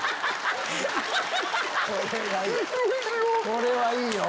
これはいいよ！